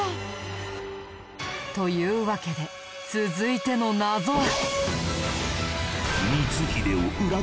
というわけで続いての謎は。